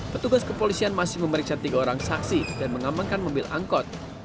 petugas kepolisian masih memeriksa tiga orang saksi dan mengamankan mobil angkot